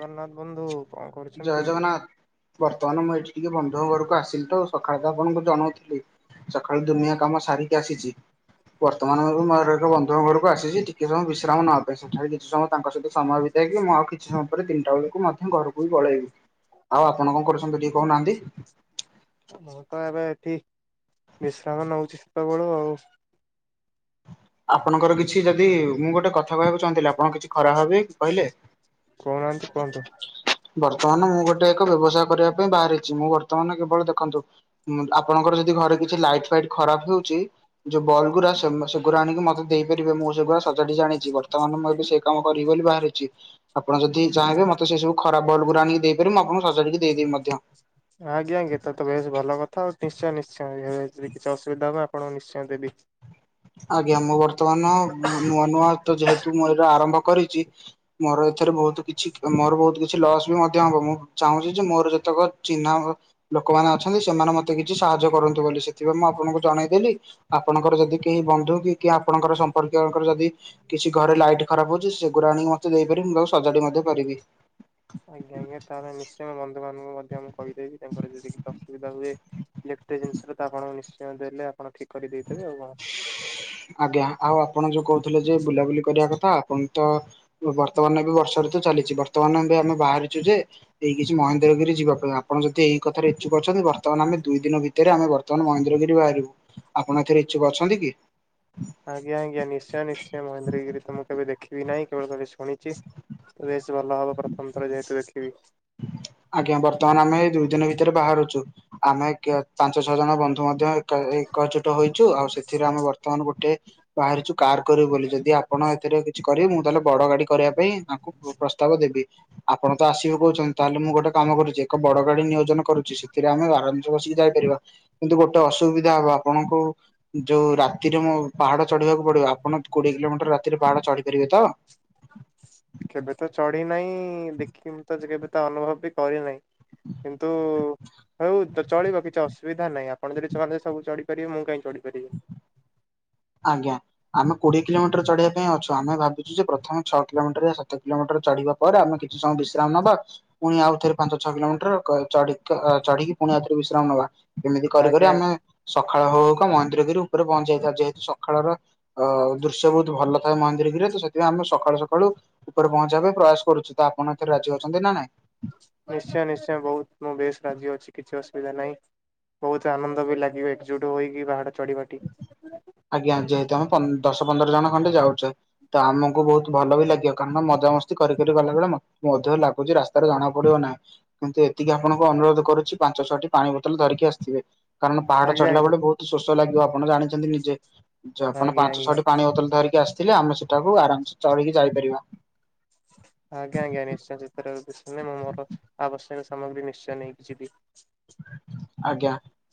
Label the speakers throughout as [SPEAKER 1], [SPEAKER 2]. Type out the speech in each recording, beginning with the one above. [SPEAKER 1] ଜଗନ୍ନାଥ ବନ୍ଧୁ। କଣ
[SPEAKER 2] ଜୟ
[SPEAKER 1] କରୁଛନ୍ତି?
[SPEAKER 2] ଜଗନ୍ନାଥ ବର୍ତ୍ତମାନ ମୁଁ ଏଇଠି ଟିକେ ବନ୍ଧୁ ଘରକୁ ଆସିଲି ତ ସଖାଳେ ତ ଆପଣଙ୍କୁ ଜଣଉଥିଲି। ସଖାଳୁ ଦୁନିଆ
[SPEAKER 1] ଆଜ୍ଞା
[SPEAKER 2] କାମ ସାରିକି ଆସିଚି। ବର୍ତ୍ତମାନ ମୋର ଏକ ବନ୍ଧୁଙ୍କ ଘରକୁ ଆସିଚି ଟିକେ ସମୟ ବିଶ୍ରାମ ନବା ପାଇଁ ସେଠାରେ କିଛି ସମୟ ତାଙ୍କ ସହିତ ସମୟ ବି ଯାଇକି ମୁଁ ଆଉ କିଛି ସମୟ ପରେ ତିନିଟା ବଳକୁ ମଧ୍ୟ ଘରକୁ ପୁଣି ପଳେଇବି। ଆଉ ଆପଣ କଣ କରୁଚନ୍ତି ଟିକିଏ କହୁନାହାନ୍ତି?
[SPEAKER 1] ମୁଁ ତ ଏବେ ଏଠି ବିଶ୍ରାମ ନଉଚି ସେତେବଳୁ ଆଉ।
[SPEAKER 2] ଆପଣଙ୍କର କିଛି ଯଦି ମୁଁ ଗୋଟେ କଥା କହିବାକୁ ଚାହୁଁଥିଲି ଆପଣ କିଛି ଖରାପ୍ ଭାବିବେ କି କହିଲେ?
[SPEAKER 1] କହୁନାହାନ୍ତି କୁହନ୍ତୁ।
[SPEAKER 2] ବର୍ତ୍ତମାନ ମୁଁ ଗୋଟେ ଏକ ବ୍ୟବସାୟ କରିବା ପାଇଁ ବାହାରିଚି ମୁଁ ବର୍ତ୍ତମାନ କେବଳ ଦେଖନ୍ତୁ ଉଁ- ଆପଣଙ୍କର ଯଦି ଘରେ କିଛି ଲାଇଟ୍ ଫାଇଟ୍ ଖରାପ୍ ହଉଚି ଯଉ ବଲ୍ ଗୁରା ସେଗୁ-ସେଗୁରା ଆଣିକି ମତେ ଦେଇପାରିବେ ମୁଁ ସେଗୁରା ସ ଯଦି ଜାଣିଚି ବର୍ତ୍ତମାନ ମୁଁ ବି ସେଇ କାମ କରିବି ବୋଲି ବାହାରିଚି ଆପଣ ଯଦି ଚାହିଁବେ ମତେ ସେ ସବୁ ଖରାପ୍ ବଲ୍ ଗୁରା ଆଣିକି ଦେଇ ପାରିବେ ମୁଁ ଆପଣଙ୍କୁ ସଜାଡିକି ଦେଇଦେବି ମଧ୍ୟ।
[SPEAKER 1] ଆଜ୍ଞା- ଆଜ୍ଞା ତ -ତ ବେଶ୍ ଭଲ କଥା ଆଉ ନିଶ୍ଚୟ ନିଶ୍ଚୟ ଯଦି କିଛି ଅସୁବିଧା ହବ ଆପଣଙ୍କୁ ନିଶ୍ଚୟ ଦେବି।
[SPEAKER 2] ଆଜ୍ଞା ମୁଁ ବର୍ତ୍ତମାନ ନୂଆ ନୂଆ ତ ଯେହେତୁ ମୁଁ ଏଟା ଆରମ୍ଭ କରିଚି ମୋର ଏଥେରେ ବହୁତୁ କିଛି ମୋର ବହୁତ୍ କିଛି କିଛି ଲସ୍ ବି ମଧ୍ୟ ହବ ମୁଁ ଚାହୁଁଚି ଯେ ମୋର ଯେତେକ ଚିହ୍ନା ଭ ଲୋକମାନେ ଅଛନ୍ତି ସେମାନେ ମତେ କିଛି ସାହାଯ୍ୟ କରନ୍ତୁ ବୋଲି ସେଥିପାଇଁ ମୁଁ ଆପଣଙ୍କୁ ଜଣେଇଦେଲି ଆପଣଙ୍କର ଯଦି କେହି ବନ୍ଧୁ କି କିଏ ଆପଣଙ୍କର ସମ୍ପର୍କୀୟଙ୍କର ଯଦି କିଛି ଘରେ ଲାଇଟ୍ ଖରାପ୍ ହଉଚି ସେଗୁରା ଆଣିକି ମତେ ଦେଇପାରିବେ ମୁଁ ତାକୁ ସଜାଡି ମଧ୍ୟ ପାରିବି।
[SPEAKER 1] ଆଜ୍ଞା ମୁଁ ତାହେଲେ ନିଶ୍ଚୟ ବନ୍ଧୁ ମାନଙ୍କୁ ମଧ୍ୟ ମୁଁ କହିଦେବି ତାଙ୍କ ଯଦି କିଛି ଅସୁବିଧା ହୁଏ ଇଲେକ୍ଟ୍ରିକ୍ ଜିନିଷରେ ତ ଆପଣଙ୍କୁ ନିଶ୍ଚୟ ଦେଲେ ଆପଣ ଠିକ୍ କରି ଦେଇଦେବେ ଆଉ କଣ।
[SPEAKER 2] ଆଜ୍ଞା ଆଉ ଆପଣ ଯଉ କହୁଥିଲେ ଯେ ବୁଲାବୁଲି କରିବା କଥା ଆପଣଙ୍କୁ ତ ବର୍ତ୍ତମାନ ଏବେ ବର୍ଷା ଋତୁ ଚାଲିଚି ବର୍ତ୍ତମାନ ଆମ୍ଭେ- ଆମେ ବାହାରିଚୁ ଯେ ଏଇ କିଛି ମହେନ୍ଦ୍ରଗିରି ଯିବା ପାଇଁ ଆପଣ ଯଦି ଏଇ କଥାରେ ଇଚ୍ଛୁକ ଅଛନ୍ତି ବ ବର୍ତ୍ତମାନ ଆମେ ଦୁଇ ଦିନ ଭିତରେ ଆମେ ବର୍ତ୍ତମାନ ମହନ୍ଦ୍ରଗିରି ବାହାରିବୁ ଆପଣ ଏଥିରେ ଇଚ୍ଛୁକ ଅଛନ୍ତି କି?
[SPEAKER 1] ଆଜ୍ଞା- ଆଜ୍ଞା ନିଶ୍ଚୟ- ନିଶ୍ଚୟ ମହେନ୍ଦ୍ରଗିରି ତ ମୁଁ କେବେ ଦେଖିବି ନାହିଁ କେବଳ ଖାଲି ଶୁଣିଚି। ବେଶ୍ ଭଲ ହବ ପ୍ରଥମ ଥର ଯେହେତୁ ଦେଖିବି।
[SPEAKER 2] ଆଜ୍ଞା ବର୍ତ୍ତମାନ ଆମେ ଦୁଇ ଦିନ ଭିତରେ ବାହାରୁଛୁ। ଆମେ କେ ପାଞ୍ଚ ଛଅ ଜଣ ବନ୍ଧୁ ମଧ୍ୟ ଏକ ଏକଜୁଟ ହୋଇଛୁ ଆଉ ସେଥିରେ ଆମେ ବର୍ତ୍ତମାନ ଗୋଟେ ବାହାରିଛୁ କାର କରିବୁ ବୋଲି ଯଦି ଆପଣ ଏଥିରେ କିଛି କରିବେ ମୁଁ ତାହେଲେ ବଡ ଗାଡି କରିବା ପାଇଁ ତାଙ୍କୁ ପ୍ର ପ୍ରସ୍ତାବ ଦେବି। ଆପଣ ତ ଆସିବେ କହୁଛନ୍ତି ତାହେଲେ ମୁଁ ଗୋଟେ କାମ କରୁଛି ଏକ ବଡ ଗାଡି ନିୟୋଜନ କରୁଛି ସେଥିରେ ଆମେ ଆରମସେ ବସିକି ଯାଇପାରିବା। କିନ୍ତୁ ଗୋଟେ ଅସୁବିଧା ହବ ଆପଣଙ୍କୁ ଯୋଉ ରାତିରେ ମୋ ପାହାଡ ଚଢିବାକୁ ପଡିବ ଆପଣ କୋଡିଏ କିଲୋମିଟର ରାତିରେ ପାହାଡ ଚଢି ପାରିବେ ତ?
[SPEAKER 1] କେବେ ତ ଚଢି ନାହିଁ ଦେଖିକି ମୁଁ ତ କେବେ ତ ଅନୁଭବ ବି କରିନାହି। କିନ୍ତୁ ହଉ ତ ଚଳିବ କିଛି ଅସୁବିଧା ନାହିଁ। [unintelligible] ଛୁଆମାନେ ସବୁ ଚଢିପାରିବେ ମୁଁ କାଇଁ ଚଢ଼ି ପାରିବିନି।
[SPEAKER 2] ଆଜ୍ଞା। ଆମେ କୋଡିଏ କିଲୋମିଟର ଚଢିବା ପାଇଁ ଅଛୁ। ଆମେ ଭାବିଚୁ ଯେ ପ୍ରଥମେ ଛଅ କିଲୋମିଟର ସାତ କିଲୋମିଟର ଚଢିବା ପରେ ଆମେ କିଛି ସମୟ ବିଶ୍ରାମ ନବା ପୁଣି ଆଉଥରେ ପାଞ୍ଚ ଛଅ କିଲୋମିଟର କ ଚଢିକି ଅ ଚଢିକି ପୁଣି ଆଉଥରେ ବିଶ୍ରାମ ନେବା ଏମିତି କରିିକରି
[SPEAKER 1] ଆଜ୍ଞା
[SPEAKER 2] ଆମେ ସକାଳ ହଉ ହୋଉକା ମହେନ୍ଦ୍ରଗିରି ଉପରେ ପହଞ୍ଚିଯାଇଥିବା ଯେହେତୁ ସକାଳର ଅ ଦୃ ଦୃଶ୍ୟ ବହୁତ ଭଲ ଥାଏ ମହେନ୍ଦ୍ରଗିରିରେ ତ ସେଥିପାଇ ଆମେ ସକାଳୁ ସକାଳୁ ଉପରେ ପହଞ୍ଚିବା ପାଇଁ ପ୍ରୟାସ କରୁଛି ତ ଆପଣ ଏଥିରେ ରାଜି ଅଛନ୍ତି ନା ନାଇଁ?
[SPEAKER 1] ନିଶ୍ଚୟ ନିଶ୍ଚୟ ବହୁତ ମୁଁ ବେଶ ରାଜି ଅଛି କିଛି ଅସୁବିଧା ନାହିଁ। ବହୁତ ଆନନ୍ଦ ବି ଲାଗିବ ଏକଜୁଟ ହୋଇକି ପାହାଡ ଚଢିବାଟି।
[SPEAKER 2] ଆଜ୍ଞା ଯେହେତୁ ଆମେ ଦଶ ପନ୍ଦର ଜଣ ଖଣ୍ତେ ଯାଉଛେ। ତ ଆମକୁ ବହୁତ ଭଲ ବି ଲାଗିବ କାରଣ ମଜାମସ୍ତି କରି କରି ଗଲାବେଳେ ମତ ମଧ୍ୟ ଲାଗୁଛି ରାସ୍ତାରେ ଜଣା ପଡିବ ନା। କିନ୍ତୁ ଏତିକି ଆପଣଙ୍କୁ ଅନୁରୋଧ କରୁଛି ପାଞ୍ଚ ଛଅ ଟି ପାଣି ବୋତଲ ଧରିକି ଆସିଥିବେ। କାରଣ ପାହାଡ
[SPEAKER 1] ଆଜ୍ଞା
[SPEAKER 2] ଚଢିଲା
[SPEAKER 1] ଆଜ୍ଞା
[SPEAKER 2] ବେଳେ ବହୁତ ଶୋଷ ଲାଗିବ ଆପଣ ଜାଣିଛନ୍ତି ନିଜେ। ଯଉ ଆପଣ
[SPEAKER 1] ଆଜ୍ଞା
[SPEAKER 2] ପାଞ୍ଚ
[SPEAKER 1] ଆଜ୍ଞା।
[SPEAKER 2] ଛଅଟି ପାଣି ବୋତଲ ଧରିକି ଆସିଥିଲେ ଆମେ ସେଟାକୁ ଆରାମସେ ଚଢିକି ଯାଇପାରିବା।
[SPEAKER 1] ଆଜ୍ଞା ଆଜ୍ଞା ନିଶ୍ଚୟ [unintelligible] ମୁଁ ମୋର ଆବଶ୍ୟକ ସାମଗ୍ରୀ ନିଶ୍ଚୟ ନେଇକି ଯିବି।
[SPEAKER 2] ଆଜ୍ଞା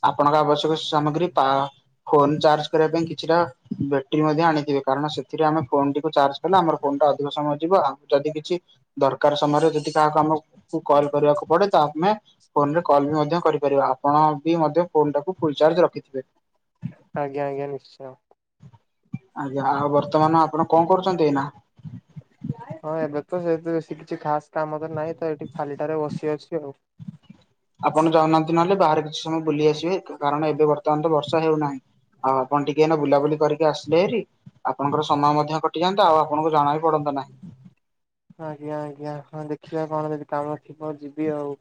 [SPEAKER 2] ଆପଣଙ୍କ ଆବଶ୍ୟକ ସାମଗ୍ରୀ ପା ଫୋନ ଚାର୍ଜ କରିବା ପାଇଁ କିଛିଟା ବ୍ୟାଟେରୀ ମଧ୍ୟ ଆଣିଥିବେ କାରଣ ସେଥିରେ ଆମେ ଫୋନ ଟିକୁ ଚାର୍ଜ ଲେ ଆମର ଫୋନଟା ଅଧିକ ସମୟ ଯିବ ଆଉ ଯଦି କିଛି ଦରକାର ସମୟରେ ଯଦି କାହାକୁ ଆମ କଲ୍ କରିବାକୁ ପଡେ ତା ଆମେ ଫୋନରେ କଲ୍ ବି ମଧ୍ୟ କରି ରିବା ଆପଣ ବି ମଧ୍ୟ ଫୋନ୍ ଟାକୁ ଫୁଲ ଚାର୍ଜ ରଖିଥିବେ।
[SPEAKER 1] ଆଜ୍ଞା ଆଜ୍ଞା ନିଶ୍ଚୟ।
[SPEAKER 2] ଆଜ୍ଞା ଆଉ ବର୍ତମାନ ଆପଣ କଣ କରୁଛନ୍ତି ଏଇ ନା?
[SPEAKER 1] ହଁ ଏବେ ତ ସେ ସେ କିଛି ଖାସ କାମ ତ ନାହିଁ ତ ଏଠି ଖାଲି ଟାରେ ବସି ଅଛି ଆଉ।
[SPEAKER 2] ଆପଣ ଯହୁଁନାହାନ୍ତି ନହେଲେ ବାହାରେ କିଛି ସମୟ ବୁଲି ଆସିବେ କାରଣ ଏବେ ବର୍ତ୍ତମାନ ତ ବର୍ଷା ହେଉନାହିଁ। ହ ଆପଣ ଟିକେ ଏଇନା ବୁଲାବୁଲି କରିକି ଆସିଲେ ହେରି ଆପଣଙ୍କର ସମୟ ମଧ୍ୟ କଟିଯାଆନ୍ତା ଆଉ ଆପଣଙ୍କୁ ଜଣା ବି ପଡନ୍ତା ନାହିଁ।
[SPEAKER 1] ଆଜ୍ଞା ଆଜ୍ଞା ହଁ ଦେଖିବା କଣ ଯଦି କାମ ଥିବ ଯିବି ଆଉ।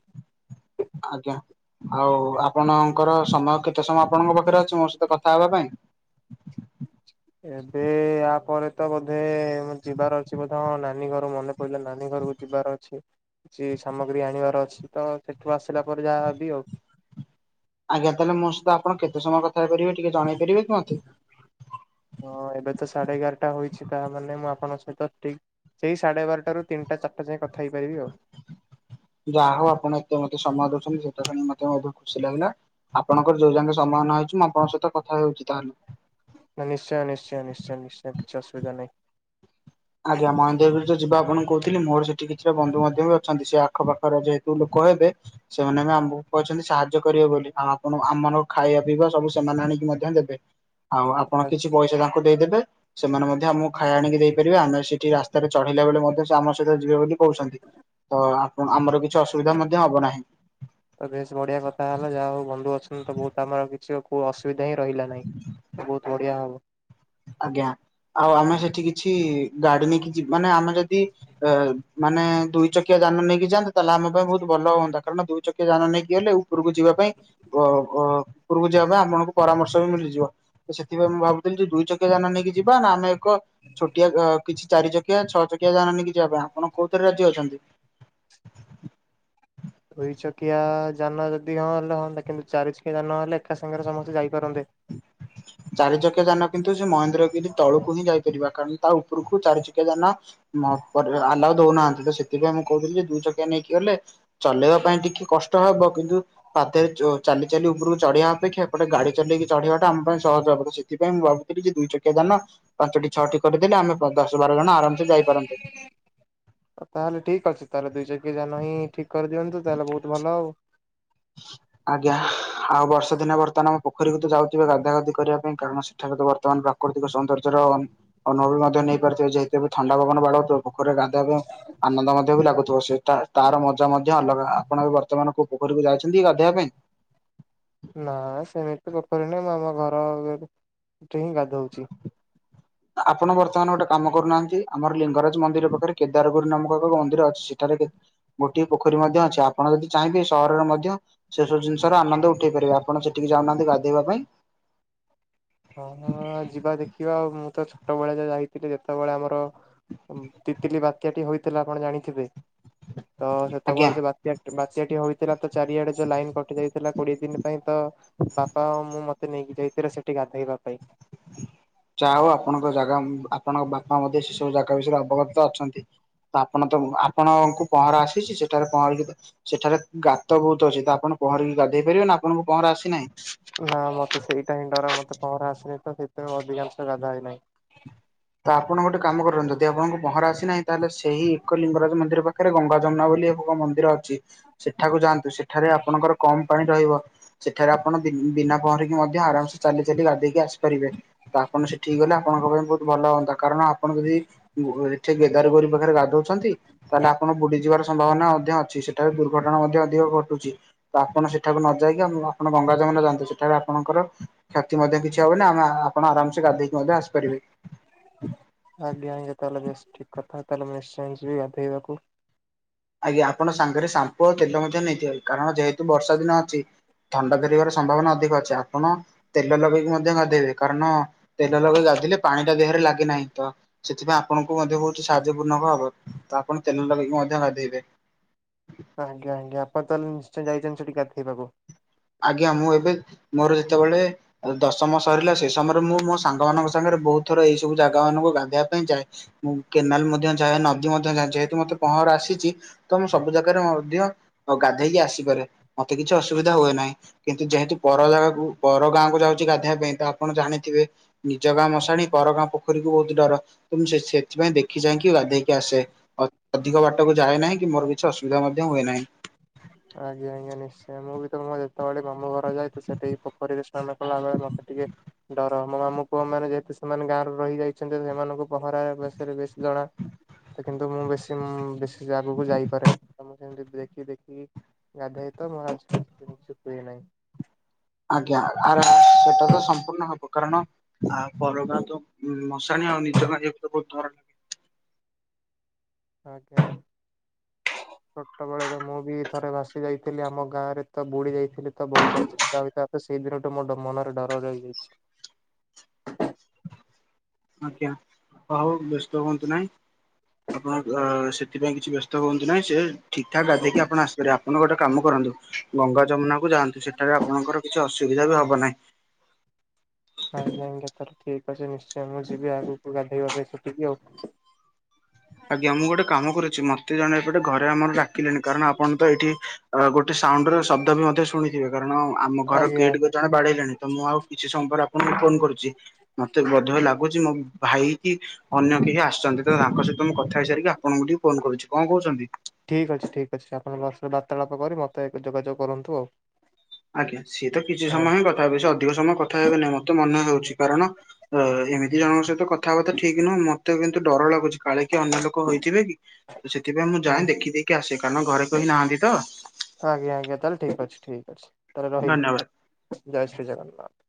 [SPEAKER 2] ଆଜ୍ଞା ଆଉ ଆପଣଙ୍କର ସମୟ କେତେ ସମୟ ଆପଣଙ୍କ ପାଖରେ ଅଛି ମୋ ସହିତ କଥା ହେବା ପାଇଁ?
[SPEAKER 1] ଏବେ ୟା ପରେ ତ ବୋଧେ ଯିବାର ଅଛି ବୋଧେ ନାନୀ ଘର ମନେ କହିଲେ ନାନୀ ଘରକୁ ଯିବାର ଅଛି। ଛି ସାମଗ୍ରୀ ଆଣିବାର ଅଛି ତ ସେଠୁ ଆସିଲା ପରେ ଯାହା ହେବି ଆଉ।
[SPEAKER 2] ଆଜ୍ଞା ତାହେଲେ ମୋ ସହିତ ଆପଣ କେତେ ସମୟ କଥା ହେଇପାରିବେ ଟିକେ ଜଣେଇ ପାରିବେ କି ମତେ?
[SPEAKER 1] ହଁ ଏବେ ତ ସାଢେ ଏଗାରଟା ହୋଉଛି ତା ମାନେ ମୁଁ ଆପଣଙ୍କ ସହିତ ଠିକ ସେଇ ସାଢେ ବାରଟାରୁ ତିିନଟା ଚାରିଟା ଯାଏ କଥା ହେଇପାରିବି ଆଉ।
[SPEAKER 2] ଯାହା ହଉ ଆପଣ ଏତେ ମତେ ସମୟ ଦଉଚନ୍ତି ସେଟା ମତେ ମ ଖୁସି ଲାଗିଲା। ଆପଣଙ୍କର ଯୋଉ ଯାଙ୍କେ ସମ୍ଭାବନା ହଉଚି ମୁଁ ଆପଙ୍କ ସହିତ କଥା ହଉଚି ତାହେଲେ।
[SPEAKER 1] ନିଶ୍ଚୟ ନିଶ୍ଚୟ ନିଶ୍ଚୟ ନିଶ୍ଚୟ କିଛି ଅସୁବଧା ନାହିଁ।
[SPEAKER 2] ଆଜ୍ଞା ମହନ୍ଦ୍ରଗିରି ଯୋଉ ଯିବା ଆପଣଙ୍କୁ କହୁଥିଲି, ମୋର ସେଠି କିଛିଟା ବନ୍ଧୁ ମଧ୍ୟ ବି ଅଛନ୍ତି ସେ ଆଖପଖରେ ଯେହେତୁ ଲୋକ ହେବେ ସେମାନେ ବି ଆମକୁ କହିଚନ୍ତି ସାହାଯ୍ୟ କରିବେ ବୋଲି ଆଉ ଆପଣ ଆମର ଖାଇବା ପିଇବା ସବୁ ସେମାନେ ଆଣିକି ମଧ୍ୟ ଦେବେ। ଆଉ ଆପଣ କିଛି ପଇସା ତାଙ୍କୁ ଦେଇଦେବେ। ସେମାନେ ମଧ୍ୟ ମୁଁ ଖାଇ ଆଣିକି ଦେଇ ପାରିବେ। ଆମେ ସେଠି ରାସ୍ତାରେ ଚଢେଇଲା ବେଳେ ମଧ୍ୟ ସେ ଆମ ସହିତ ଯିବେ ବୋଲି କହୁଚନ୍ତି ତ ଆ ଏବଂ ଆମର କିଛି ଅସୁବିଧା ମଧ୍ୟ ହବ ନାହିଁ।
[SPEAKER 1] ତ ବେଶ ବଢିଆ କଥା ହେଲା ଯାହା ହଉ ବନ୍ଧୁ ଅଛନ୍ତି ତ ବହୁତ ଆମର କିଛି ଆଉ କୋଉ ଅସୁବିଧା ହିଁ ରହିଲା ନାହିଁ। ତ ବହୁତ ବଢିଆ ହବ।
[SPEAKER 2] ଆଜ୍ଞା ଆଉ ଆମେ ସେଠି କିଛି ଗାଡି ନେଇକି ଯିବ ମାନେ ଆମେ ଯଦି ଅ ମାନେ ଦୁଇ ଚକିଆ ଯାନ ନେଇକି ଯାଆନ୍ତେ ତାହେଲେ ଆମ ପାଇଁ ବହୁତ ଭଲ ହୁଅନ୍ତା କାରଣ ଦୁଇ ଚକିଆ ଯାନ ନେଇକି ଗଲେ ଉପରକୁ ଯିବା ପାଇଁ କ କ ଉପରକୁ ଯିବା ପାଇଁ ଆପଣଙ୍କୁ ପରାମର୍ଶ ବି ମିଳିଯିବ। ତ ସେଥିପାଇଁ ମୁଁ ଭାବୁଥିଲି ଦୁଇ ଚକି କିଆ ଯାନ ନେଇକି ଯିବା ନା ଆମେ ଏକ ଛୋଟିଆ ଅ କିଛି ଚାରି ଚକିଆ ଚକିଆ ଛଅ ଚକିଆ ଜାନ ନେଇକି ଯିବା ପାଇଁ। ଆପଣ କୋଉ ଥରେ ରାଜି ଅଛନ୍ତି?
[SPEAKER 1] ଦୁଇ ଚକିଆ ଯାନ ଯଦି ହଁ ହେଲେ ହଅନ୍ତା। କିନ୍ତୁ ଚାରି ଚକିଆ ଯାନ ହେଲେ ଏକା ସାଙ୍ଗରେ ସମସ୍ତେ ଯାଇପାରନ୍ତେ।
[SPEAKER 2] ଚାରି ଚକିଆ ଯାନ କିନ୍ତୁ ସେ ମହେନ୍ଦ୍ରଗିରି ତଳକୁ ହିଁ ଯାଇପାରିବା କାରଣ ତା ଉପରକୁ ଚାରି ଚକିଆ ଯାନ ମ ପ ଆଲାଓ ଦଉନାହାନ୍ତି ତ ସେଥିପାଇଁ ମୁଁ କହୁଥିଲି ଦୁଇ ଚକିଆ ନେଇକି ଗଲେ ଚଲେଇବା ପାଇଁ ଟିକେ କଷ୍ଟ ହବ କିନ୍ତୁ ପାଦରେ ଅ ଚାଲି ଚାଲି ଉପରକୁ ଚଢେଇବା ଅପେକ୍ଷା ଏପଟେ ଗାଡି ଚଲେଇକି ଚଢ଼ିବା। ପାଇଁ ସହଜ ହେବ ସେଥିପାଇଁ ମୁଁ ଭାବୁଥିଲି ଯେ ଦୁଇ ଚକିଆ ଯାନ ପାଞ୍ଚଟି ଛଅଟି କରିଦେଲେ ଆମେ ପ ଦଶ ବାର ଜଣ ଆରାମସେ ଯାଇପାରନ୍ତେ।
[SPEAKER 1] ତାହଲେ ଠିକ୍ ଅଛି ତାହେଲେ ଦୁଇ ଚକିଆ ଯାନ ହିଁ ଠିକ କରିଦିଅନ୍ତୁ ତାହେଲେ ବହୁତ ଭଲ ହେବ।
[SPEAKER 2] ଆଜ୍ଞା ଆଉ ବର୍ଷା ଦିନ ବର୍ତ୍ତମାନ ଆମ ପୋଖରୀକୁ ତ ଯାଉଥିବେ ଗାଧା ଗାଧି କରିବା ପାଇଁ କାରଣ ସେଠାରେ ତ ବର୍ତ୍ତମାନ ପ୍ରାକୃତିକ ସୌନ୍ଦର୍ଯ୍ୟର ଅନ୍ ଅନୁଭବ ମଧ୍ୟ ନେଇପାରୁଥିବେ ଯେହେତୁ ଥଣ୍ଡା ପବନ ବାଡଉଥିବ। ପୋଖରିରେ ଗାଧୋଇବା ପାଇଁ ଆନନ୍ଦ ମଧ୍ୟ ବି ଲାଗୁଥିବ, ସେ ତାର ମଜା ମଧ୍ୟ ଅଲଗା ଆପଣ ବି ବର୍ତ୍ତମାନ ପୋଖରୀକୁ ଯାଇଚନ୍ତି ଗାଧୋଇବା ପାଇଁ?
[SPEAKER 1] ନା ସେମିତି ପୋଖରୀ ନାହିଁ ମୁଁ ଆମ ଘରଆଗେ ଏଠି ହିଁ ଗାଧଉଚି।
[SPEAKER 2] ଆପଣ ବର୍ତ୍ତମାନ ଗୋଟେ କାମ କରୁନାହାନ୍ତି ଆମର ଲିଙ୍ଗରାଜ ମନ୍ଦିର ପାଖରେ କେଦାରଗଉରି ନାମକ ଏକ ମନ୍ଦିର ଅଛି ସେଠାରେ ବେ ଗୋଟିଏ ପୋଖରୀ ମଧ୍ୟ ଅଛି ଆପଣ ଯଦି ଚାହିଁବେ ସହରରେ ମଧ୍ୟ ସେ ସବୁ ଜିନିଷର ଆନନ୍ଦ ଉଠେଇ ପାରିବେ ଆପଣ ସେଠିକି ଯାଉନାହାନ୍ତି ଗାଧେଇବା ପାଇଁ।
[SPEAKER 1] ହଁ ଯିବା ଦେଖିବା ଆଉ ମୁଁ ତ ଛୋଟବେଳେ ଯାହା ଯାଇଥିଲି ଯେତେବେଳେ ଆମର ତିତିଲି ବାତ୍ୟାଟି ହୋଇଥିଲା ଆପଣ ଜାଣିଥିବେ। ତ
[SPEAKER 2] ଆଜ୍ଞା।
[SPEAKER 1] ସେତେବେଳେ ଯୋ ବାତ୍ୟା ବାତ୍ୟା ଟି ହେଇଥିଲା ତ ଚାରିଆଡେ ଯୋଉ ଲାଇନ୍ କଟି ଯାଇଥିଲା। ଥିଲା କୋଡିଏ ଦିନ ପାଇଁ ତ ବାପା ଆଉ ମୁଁ ମତେ ନେଇକି ଯାଇଥିଲେ ସେଠି ଗାଧେଇବା ପାଇଁ।
[SPEAKER 2] ହ ଯା ହୋଉ ଆପଣଙ୍କ ଜାଗା ଆପଣଙ୍କ ବାପା ମଧ୍ୟ ସେସବୁ ଜାଗା ବିଷୟରେ ଅବଗତ ଅଛନ୍ତି। ତ ଆପଣ ତ ଆପଣଙ୍କୁ ପହଁରା ଆସୁଚି? ସେଠାରେ ପହଁରିକି ସେଠାରେ ଗାତ ବହୁତ ଅଛି। ତ ଆପଣ ପହଁରିକି ଗାଧେଇ ପାରିବେ ନା ଆପଣଙ୍କୁ ପହଁରା ଆସିନାହିଁ।
[SPEAKER 1] ନା ମତେ ସେଇଟା ହିଁ ଡର। ମତେ ପହଁରା ଆସେନି ତ ସେଥିପାଇଁ ଅଧିକାଂଶ ଗାଧାଏ ନାହିଁ।
[SPEAKER 2] ତ ଆପଣ ଗୋଟେ କାମ କରନ୍ତୁ, ଯଦି ଆପଣଙ୍କୁ ପହଁରା ଆସିନାହିଁ ତାହେଲେ ସେହି ଏକ ଲିଙ୍ଗରାଜ ମନ୍ଦିର ପାଖରେ ଗଙ୍ଗା ଯମୁନା ବୋଲି ଏକ ମନ୍ଦିର ଅଛି ସେଠାକୁ ଯାଆନ୍ତୁ। ସେଠାରେ ଆପଣଙ୍କର କମ ପାଣି ରହିବ। ସେଠାରେ ଆପଣ ବି ବିନା ପହଁରିକି ମଧ୍ୟ ଆରାମସ ଚାଲି ଚାଲି ଗାଧେଇକି ଆସିପାରିବେ। ତ ଆପଣ ସେଠିକି ଗଲେ, ଆପଣଙ୍କ ପାଇଁ ବହୁତ ଭଲ ହୁଅନ୍ତା। କାରଣ ଆପଣ ଯଦି ଏଠି କେଦାରଗୌରି ପାଖରେ ଗାଧଉଛନ୍ତି ତାହେଲେ ଆପଣ ବୁଡି ଯିବାର ସମ୍ଭାବନା ମଧ୍ୟ ଅଛି। ସେଟାରେ ଦୁର୍ଘଟଣା ମଧ୍ୟ ଅଧିକ ଘଟୁଚି। ତ ଆପଣ ସେଠାକୁ ନ ଯାଇକି ଆପଣ ଗଙ୍ଗା ଯମୁନା ଯାଆନ୍ତୁ। ସେଠାରେ ଆପଣଙ୍କର କ୍ଷତି ମଧ୍ୟ କିଛି ହବନାଇ। ଆମେ ଆପଣ ଆରାମସେ ଗାଧେଇକି ମଧ୍ୟ ଆସିପାରିବେ।
[SPEAKER 1] ଆଜ୍ଞା ଆଜ୍ଞା। ତାହେଲେ ବେଶ୍ ଠିକ୍ କଥା। ତାହେଲେ ମୁଁ ନିଶ୍ଚୟ ଯିବି ଗାଧେଇବାକୁ।
[SPEAKER 2] ଆଜ୍ଞା। ଆପଣ ସାଙ୍ଗରେ ସାମ୍ପୁ ଆଉ ତେଲ ମଧ୍ୟ ନେଇଥିବେ। କାରଣ ଯେହେତୁ ବର୍ଷା ଦିନ ଅଛି ଥଣ୍ଡା ଧରିବାର ସମ୍ଭାବନା ଅଧିକ ଅଛି। ଆପଣ ତେଲ ଲଗେଇକି ମଧ୍ୟ ଗାଧେଇବେ। କାରଣ ତେଲ ଲଗେଇକି ଗାଧେଇଲେ ପାଣି ଟା ଦେହରେ ଲାଗେନାହିଁ। ତ ସେଥିପାଇଁ ଆପଣଙ୍କୁ ମଧ୍ୟ ବହୁତ ସାହାଯ୍ୟପୂର୍ଣ୍ଣ ହବ। ତ ଆପଣ ତେଲ ଲଗେଇକି ମଧ୍ୟ ଗାଧେଇବେ। [inaudible]
[SPEAKER 1] ଆଜ୍ଞା ଆଜ୍ଞା। ଆପଣ ତାହେଲେ ନିଶ୍ଚୟ ଯାଇଛନ୍ତି ସେଇଠି ଗାଧେଇବାକୁ?
[SPEAKER 2] ଆଜ୍ଞା। ମୁଁ ଏବେ ମୋର ଯେତେବେଳେ ଦଶମ ସରିଲା, ସେ ସମୟରେ ମୁଁ ମୋ ସାଙ୍ଗମାନଙ୍କ ସାଙ୍ଗରେ ବହୁତ ଥର ଏହି ସବୁ ଜାଗା ମାନଙ୍କୁ ଗାଧେଇବା ପାଇଁ ଯାଏ। ମୁଁ କେନାଲ ମଧ୍ୟ ଯାଏ, ନଦୀ ମଧ୍ୟ ଯାଏ ଯେହେତୁ ମତେ ପହଁରା ଆସିଚି ତ ମୁଁ ସବୁ ଜାଗାରେ ମଧ୍ୟ ଗାଧେଇକି ଆସିପାରେ। ମତେ କିଛି ଅସୁବିଧା ହୁଏ ନାହିଁ। କିନ୍ତୁ ଯେହେତୁ ପର ଜାଗାକୁ ପର ଗାଁ କୁ ଯାଉଚି ଗାଧୋଇବା ପାଇଁ ତ ଆପଣ ଜାଣିଥିବେ ନିଜ ଗାଁ ମଶାଣି ପର ଗାଁ ପୋଖରୀକୁ ବହୁତ ଡର। ତ ମୁଁ ସେ ସେଥିପାଇଁ ଦେଖି ଚାହିଁକି ଗାଧେଇକି ଆସେ। ଅଧିକ ବାଟକୁ ଯାଏ ନାହିଁ, କି ମୋର କିଛି ଅସୁବିଧା ମଧ୍ୟ ହୁଏ ନାହିଁ।
[SPEAKER 1] ଆଜ୍ଞା ଆଜ୍ଞା ନିଶ୍ଚୟ। ମୁଁ ବି ତ ମୋ ଯେତେବେଳେ ମାମୁଁ ଘର ଯାଏ ତ ସେଠି ପୋଖରୀରେ ସ୍ନାନ କଲାବେଳେ ମତେ ଟିକେ ଡର ମୋ ମାମୁଁ ପୁଅ ମାନେ ଯେହେତୁ ସେମାନେ ଗାଁରେ ରହିଯାଇଛନ୍ତି ସେମାନଙ୍କୁ ପହଁରା ବିଷୟରେ ବେଶୀ ଜଣା ତ କିନ୍ତୁ ମୁଁ ବେଶୀ ମୁଁ ବେଶୀ ଆଗକୁ ଯାଇପାରେ ନା। ତ ମୁଁ ସେମତି ଦେଖି ଦେଖି କି ଗାଧୋଇ ତ [unintelligible] ନାହିଁ।
[SPEAKER 2] ଆଜ୍ଞା। ଆର ସେଟା ତ ସମ୍ପୂର୍ଣ୍ଣ ହବ। କାରଣ ପରବ ଗାଁ ତ ମଶାଣି ଆଉ ନିଜ ଗାଁ। [unintelligible]
[SPEAKER 1] ଆଜ୍ଞା।
[SPEAKER 2] ହ
[SPEAKER 1] ଛୋଟବେଳେ ତ ମୁଁ ବି ଥରେ ଭାସି ଯାଇଥିଲି, ଆମ ଗାଁରେ ତ ବୁଡି ଯାଇଥିଲି ତ ବହୁତ ଅସୁବିଧା ହୋଇ ତା ତ ସେଇ ଦିନଠୁ ମୋ ମନରେ ଡର ରହିଯାଇଚି।
[SPEAKER 2] ଆଜ୍ଞା। ହଉ ବ୍ୟସ୍ତ ହୁଅନ୍ତୁ ନାହିଁ। ଆପଣ ଅ ସେଥିପାଇଁ କିଛି ବ୍ୟସ୍ତ ହୁଅନ୍ତୁ ନାହିଁ। ସେ ଠିକ୍ ଠାକ୍ ଗାଧେଇକି ଆପଣ ଆସିପାରିବେ। ଆ ଆପଣ ଗୋଟେ କାମ କରନ୍ତୁ ଗଙ୍ଗା ଯମୁନାକୁ ଯାଆନ୍ତୁ ସେଠାରେ ଆପଣଙ୍କର କିଛି ଅସୁବିଧା ବି ହବ ନାହିଁ।
[SPEAKER 1] ଆଜ୍ଞା ଆଜ୍ଞା ତାହେଲେ ଠିକ୍ ଅଛି। ନିଶ୍ଚୟ ମୁଁ ଯିବି ଆଗକୁ ଗାଧେଇବା ପାଇଁ ସେଠିକି ଆଉ।
[SPEAKER 2] ଆଜ୍ଞା। ମୁଁ ଗୋଟେ କାମ କରୁଚି ମତେ ଜଣେ ଏପଟେ ଘରେ ଆମର ଡାକିଲେଣି। କାରଣ ଆପଣ ତ ଏଇଠି ଅ ଗୋଟେ ସାଉଣ୍ଡ ର ଶବ୍ଦ ବି ମଧ୍ୟ ଶୁଣିଥିବେ କାରଣ ଆମ ଘର
[SPEAKER 1] ଆଜ୍ଞା
[SPEAKER 2] ଗେଟ୍ କ ଜଣେ ବାଡେଇଲେଣି ତ ମୁଁ ଆଉ କିଛି ସମୟ ପରେ ଆପଣଙ୍କୁ ଫୋନ୍ କରୁଚି। ମତେ ବୋଧ ହୁଏ ଲାଗୁଛି ମୋ ଭାଇ କି ଅନ୍ୟ କେହି ଆସ୍ ଛନ୍ତି ତ ତାଙ୍କ ସହିତ ମୁଁ କଥା ହେଇସାରିକି ଆପଣଙ୍କୁ ଟିକେ ଫୋନ କରୁଚି। କଣ କହୁଛନ୍ତି?
[SPEAKER 1] ଠିକ୍ ଅଛି ଠିକ୍ ଅଛି। ଆପଣ ବାର୍ତ୍ତାଳାପ କରି ମତେ ଯୋଗାଯୋଗ କରନ୍ତୁ ଆଉ।
[SPEAKER 2] ଆଜ୍ଞା। ସିଏ ତ କିଛି ସମୟ
[SPEAKER 1] ଆଜ୍ଞା
[SPEAKER 2] ହିଁ ତା ବି ସେ ଅଧିକ ସମୟ କଥା ହେବେ ନାହିଁ ମତେ ମନେ ହଉଚି। କାରଣ ଏମିତି ଜଣଙ୍କ ସହିତ କ କଥା ହବା ତ ଠିକ୍ ନୁହଁ। ମତେ କିନ୍ତୁ ଡର ଲାଗୁଚି କାଳେ କିଏ ଅନ୍ୟ ଲୋକ ହୋଇଥିବେ କି? ସେଥିପାଇଁ ମୁଁ ଯାଏଁ ଦେଖିଦେଇକି ଆସେ। କାରଣ ଘରେ କେହି ନାହାନ୍ତି ତ।
[SPEAKER 1] ଆଜ୍ଞା ଆଜ୍ଞା ତାହେଲେ ଠିକ୍ ଅଛି ଠିକ୍ ଅଛି। ତାହେଲେ ରହିଲି।
[SPEAKER 2] ଧନ୍ୟବାଦ
[SPEAKER 1] ଜୟ ଶ୍ରୀ ଜଗନ୍ନାଥ।